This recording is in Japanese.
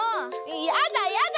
やだやだ！